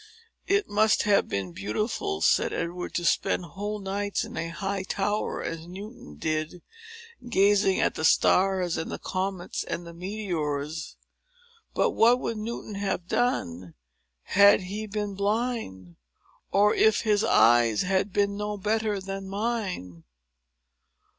"It must have been beautiful," said Edward, "to spend whole nights in a high tower, as Newton did, gazing at the stars, and the comets, and the meteors. But what would Newton have done, had he been blind? or if his eyes had been no better than mine?"